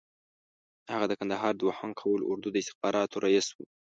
هغه د کندهار د دوهم قول اردو د استخباراتو رییس وو.